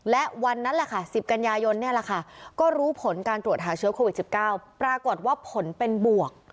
และวันนั้นแหละค่ะ๑๐กันยายนก็รู้ผลการตรวจหาเชื้อโควิด๑๙ปรากฏว่าผลเป็นบวก